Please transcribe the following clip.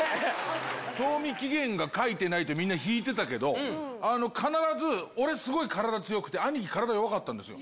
賞味期限が書いてないって、みんなひいてたけど、必ず、俺、すごい体強くて、兄貴体弱かったんですよ。